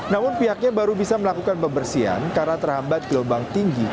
namun pihaknya baru bisa melakukan pembersihan karena terhambat gelombang tinggi